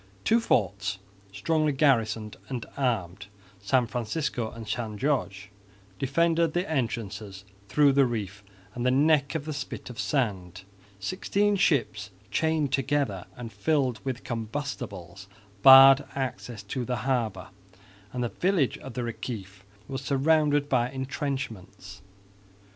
Two forts strongly garrisoned and armed, San Francisco and San Jorge, defended the entrances through the reef and the neck of the spit of sand; sixteen ships chained together and filled with combustibles barred access to the harbour; and the village of the Reciff was surrounded by entrenchments.